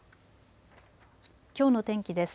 きょうの天気です。